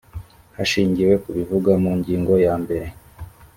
hashingiwe ku bivugwa mu ngingo ya mbere